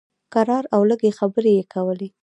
کرار او لږې خبرې یې کولې.